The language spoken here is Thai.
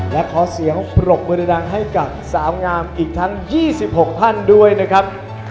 และขอเสียงปรบมือดังให้กับสาวงามอีกทั้ง๒๖ท่านด้วยนะครับ